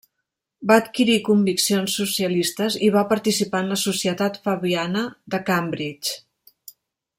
Va adquirir conviccions socialistes, i va participar en la Societat Fabiana de Cambridge.